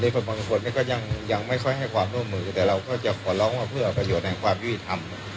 คนบางคนก็ยังไม่ค่อยให้ความร่วมมือแต่เราก็จะขอร้องว่าเพื่อประโยชน์แห่งความยุติธรรม